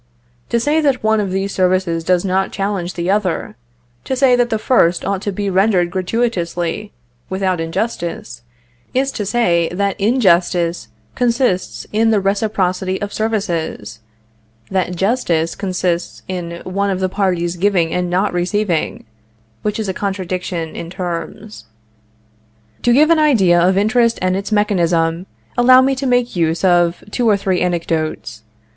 To say that one of these services does not challenge the other, to say that the first ought to be rendered gratuitously, without injustice, is to say that injustice consists in the reciprocity of services that justice consists in one of the parties giving and not receiving, which is a contradiction in terms. To give an idea of interest and its mechanism, allow me to make use of two or three anecdotes.